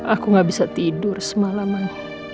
aku gak bisa tidur semalaman